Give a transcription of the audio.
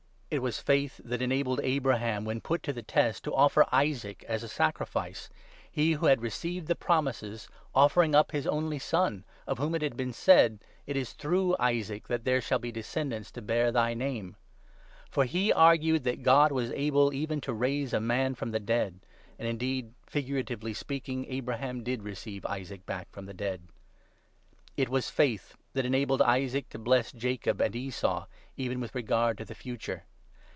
445 It was faith that enabled Abraham, when put to the test, to 17 offer Isaac as a sacrifice — he who had received the promises offering up his only son, of whom it had been said — 18 ' It is through Isaac that there shall be descendants to bear thy name.' For he argued that God was able even to raise a man from 19 the dead — and indeed, figuratively speaking, Abraham did receive Isaac back from the dead. It was faith that 20 enabled Isaac to bless Jacob and Esau, even with regard to the future.